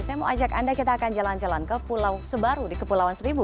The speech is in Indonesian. saya mau ajak anda kita akan jalan jalan ke pulau sebaru di kepulauan seribu